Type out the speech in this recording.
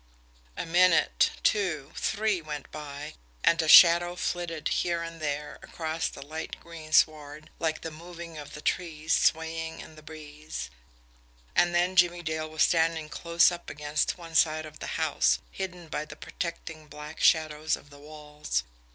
A minute, two, three went by and a shadow flitted here and there across the light green sward, like the moving of the trees swaying in the breeze and then Jimmie Dale was standing close up against one side of the house, hidden by the protecting black shadows of the walls.